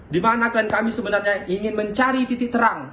dimanapun kami sebenarnya ingin mencari titik terang